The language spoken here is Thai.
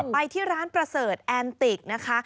ไปที่ร้านประเสริฐแอนติกนะคะ